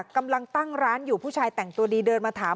กำลังตั้งร้านอยู่ผู้ชายแต่งตัวดีเดินมาถาม